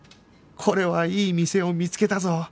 これはいい店を見つけたぞ